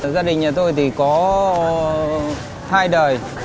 gia đình nhà tôi thì có hai đời